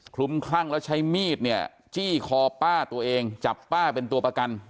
คลุมคลั่งแล้วใช้มีดเนี่ยจี้คอป้าตัวเองจับป้าเป็นตัวประกัน